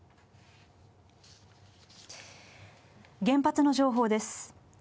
原発の情報です。